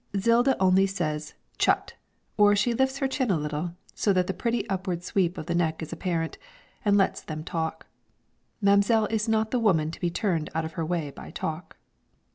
Zilda only says 'Chut!' or she lifts her chin a little, so that the pretty upward sweep of the neck is apparent, and lets them talk. Mam'selle is not the woman to be turned out of her way by talk.